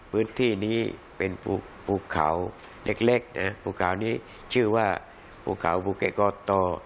พื้นที่นี้เป็นภูเขาเล็กภูเขานี้ชื่อว่าภูเขาภูเก็ตกอต